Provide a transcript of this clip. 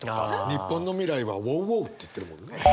日本の未来はＷｏｗＷｏｗって言ってるもんね。